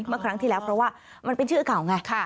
เมื่อครั้งที่แล้วเพราะว่ามันเป็นชื่อเก่าไง